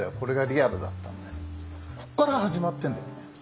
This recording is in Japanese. こっから始まってんだよね。